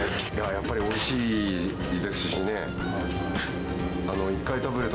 やっぱりおいしいですしね。